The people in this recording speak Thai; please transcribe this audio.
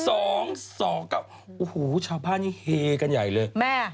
โอ้โหชาวบ้านนี้เฮกันใหญ่เลยแม่